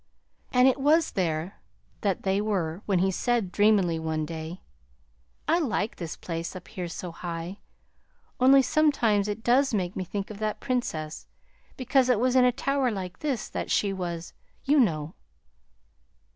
And it was there that they were when he said, dreamily, one day: "I like this place up here so high, only sometimes it does make me think of that Princess, because it was in a tower like this that she was, you know."